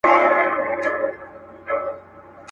زه به د پنجاب د ړنګېدلو زېری درکمه.